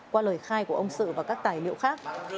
qua lời khai của ông sự và các tài liệu khác